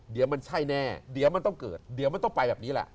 เดี๋ยวมันใช่แน่เดี๋ยวมันต้องเกิดเดี๋ยวมันต้องไปแบบนี้แหละ